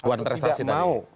atau tidak mau